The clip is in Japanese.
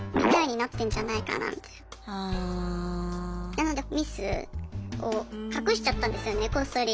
なのでミスを隠しちゃったんですよねこっそり。